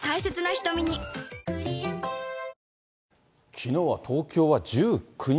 きのうは東京は１９人。